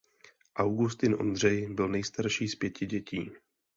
Augustin Ondřej byl nejstarší z pěti dětí.